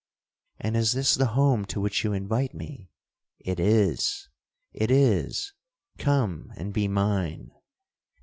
'—'And is this the home to which you invite me?'—'It is—it is. Come, and be mine!